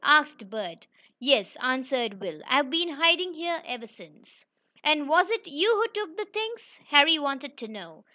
asked Bert. "Yes," answered Will. "I've been hiding here ever since." "And was it you who took the things?" Harry wanted to know.